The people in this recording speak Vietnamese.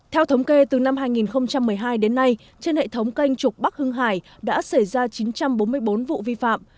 theo thống kê từ năm hai nghìn một mươi hai đến nay trên hệ thống canh trục bắc hưng hải đã xảy ra chín trăm bốn mươi bốn vụ vi phạm